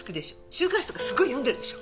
週刊誌とかすごい読んでるでしょ？